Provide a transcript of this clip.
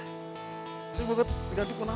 hari banget diganti kemana mana tuh ya sih